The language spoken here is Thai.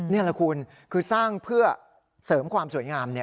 นี่แหละคุณคือสร้างเพื่อเสริมความสวยงาม